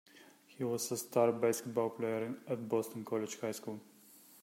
He was a star basketball player at Boston College High School.